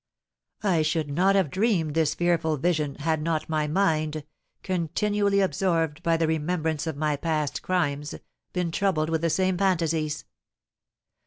I should not have dreamed this fearful vision, had not my mind, continually absorbed by the remembrance of my past crimes, been troubled with the same fantasies.